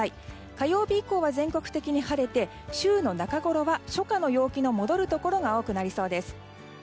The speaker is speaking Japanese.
火曜日以降は全国的に晴れて週の中ごろは初夏の陽気の戻るところが多くなりそうです。